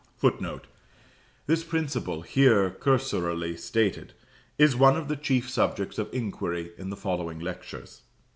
[Footnote: This principle, here cursorily stated, is one of the chief subjects of inquiry in the following Lectures.